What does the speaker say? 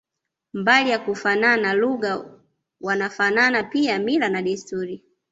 Mbali ya kufanana lugha wanafanana pia mila na desturi